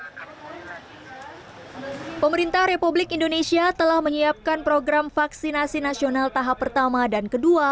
hai pemerintah republik indonesia telah menyiapkan program vaksinasi nasional tahap pertama dan kedua